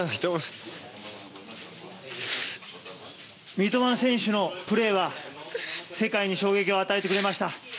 三笘選手のプレーは世界に衝撃を与えてくれました。